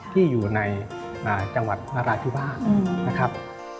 ที่อยู่ในจังหวัดนราธิวาสนะครับ